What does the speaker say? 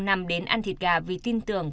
năm đến ăn thịt gà vì tin tưởng